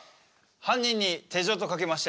犯人に手錠とかけまして。